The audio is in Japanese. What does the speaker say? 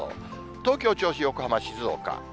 東京、銚子、横浜、静岡。